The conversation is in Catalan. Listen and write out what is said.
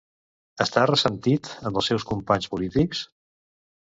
Està ressentit amb els seus companys polítics?